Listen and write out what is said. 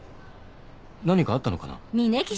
何かあったのかな？